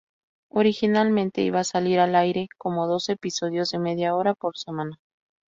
Originalmente iba a salir al aire como dos episodios de media hora por semana.